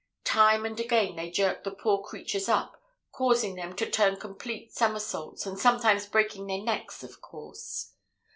"Time and again they jerk the poor creatures up, causing them to turn complete somersaults, and sometimes breaking their necks, of course.